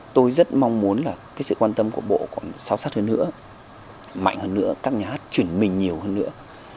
tôi rất mong muốn sự quan tâm của bộ còn sáo sát hơn nữa mạnh hơn nữa các nhà hát chuyển mình nhiều hơn nữa